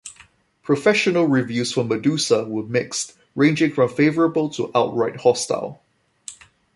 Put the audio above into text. Professional reviews for "Medusa" were mixed, ranging from favourable to outright hostile.